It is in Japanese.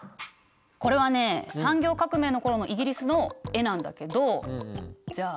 これはね産業革命の頃のイギリスの絵なんだけどじゃあ